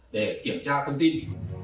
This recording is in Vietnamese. để kiểm tra thông tin